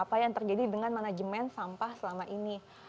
apa yang terjadi dengan manajemen sampah selama ini